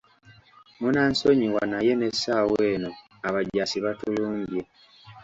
Munansonyiwa naye n'essaawa eno abajaasi batulumbye.